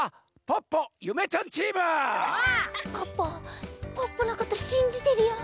ポッポのことしんじてるよ。